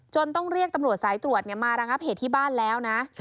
ต้องเรียกตำรวจสายตรวจมาระงับเหตุที่บ้านแล้วนะ